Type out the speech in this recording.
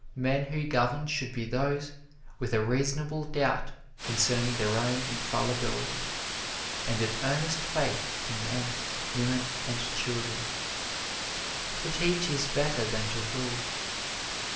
Men who govern should be those with a reasonable doubt concerning their own infallibility, and an earnest faith in men, women and children. To teach is better than to rule.